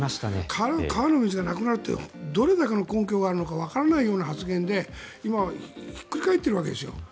川の水がなくなるってどれだけの根拠があるのかわからないような発言で今、ひっくり返っているわけです